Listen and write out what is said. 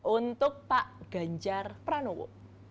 untuk pak ganjar pranowo